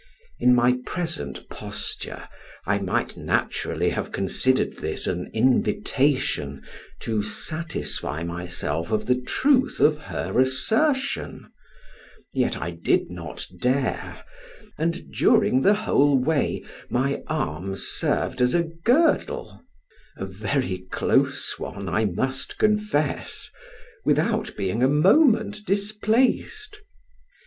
In my present posture, I might naturally have considered this an invitation to satisfy myself of the truth of her assertion, yet I did not dare, and during the whole way my arm served as a girdle (a very close one, I must confess), without being a moment displaced.